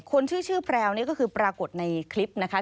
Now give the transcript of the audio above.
คนชื่อแพรวนี่ก็คือปรากฏในคลิปนะคะ